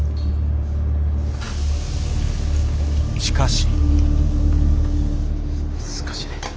しかし。